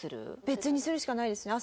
別にするしかないですね